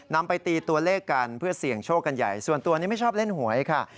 นำไปตีตัวเลขกันเพื่อเสี่ยงโชคกันใหญ่ส่วนตัวนี้ไม่ชอบเล่นหวยค่ะ